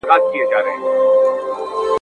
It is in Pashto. د آسمان غېږه وه ډکه له بازانو !.